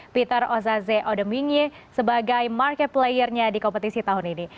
peter ozaze odemwingie sebagai market playernya di kompetisi tahun ini